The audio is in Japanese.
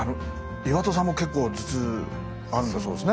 岩田さんも結構頭痛あるんだそうですね。